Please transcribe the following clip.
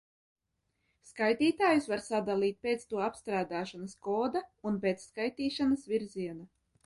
Skaitītājus var sadalīt pēc to apstrādāšanas koda un pēc skaitīšanas virziena.